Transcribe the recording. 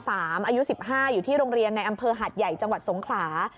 อายุ๑๕อยู่ที่โรงเรียนในอำเภอหัดใหญ่จังหวัดสงขลา